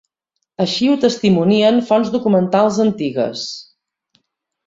Així ho testimonien fonts documentals antigues.